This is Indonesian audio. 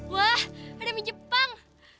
wah ada mie jepang